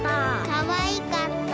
かわいかった。